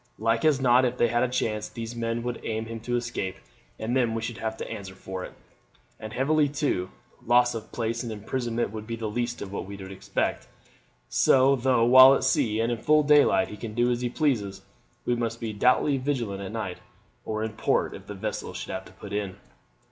Like as not, if they had a chance, these men would aid him to escape, and then we should have to answer for it, and heavily too; loss of place and imprisonment would be the least of what we might expect; so though, while at sea and in full daylight he can do as he pleases, we must be doubly vigilant at night, or in port if the vessel should have to put in."